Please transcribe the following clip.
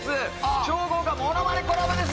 超豪華ものまねコラボです